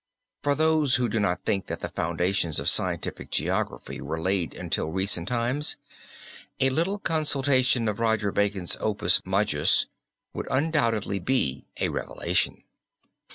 For those who do not think that the foundations of scientific geography were laid until recent times, a little consultation of Roger Bacon's Opus Majus would undoubtedly be a revelation.